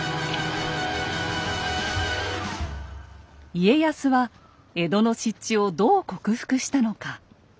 家康は江戸の湿地をどう克服したのか。